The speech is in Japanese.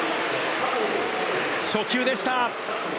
初球でした。